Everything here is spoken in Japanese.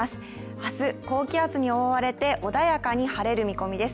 明日、高気圧に覆われて、穏やかに晴れる見込みです。